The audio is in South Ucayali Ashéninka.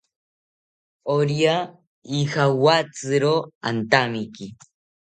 Orya ijawatziro antamiki